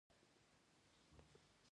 د خوست جلغوزي ولې تور طلایی بلل کیږي؟